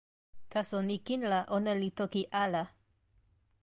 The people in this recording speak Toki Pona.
taso ni kin la, ona li toki ala.